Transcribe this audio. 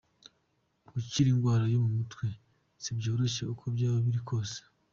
Gukira ingwara yo mu mutwe si ivyoroshe, uko vyoba biri kwose.